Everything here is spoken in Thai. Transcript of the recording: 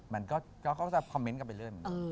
มันก็จะคอมเมนต์กันไปเรื่อย